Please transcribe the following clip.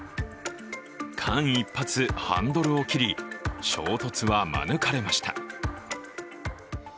間一髪、ハンドルを切り、衝突は免れました。